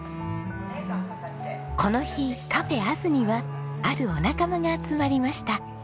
この日Ｃａｆａｓにはあるお仲間が集まりました。